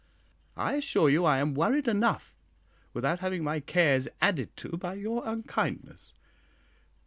I assure you I am worried enough without having my cares added to by your unkindness.